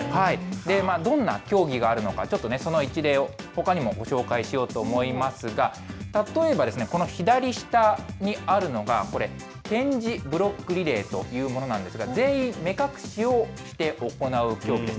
どんな競技があるのか、ちょっと、その一例をほかにもご紹介しようと思いますが、例えばですね、この左下にあるのが、これ、点字ブロックリレーというものなんですが、全員目隠しをして行う競技です。